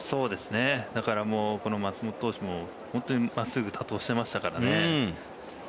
だからもうこの松本投手も本当に真っすぐを多投してましたからね。